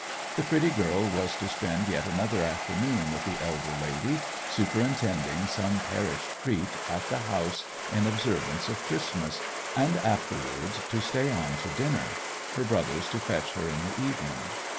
The pretty girl was to spend yet another afternoon with the elder lady, superintending some parish treat at the house in observance of Christmas, and afterwards to stay on to dinner, her brothers to fetch her in the evening.